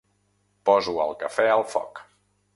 Poso el cafè al foc.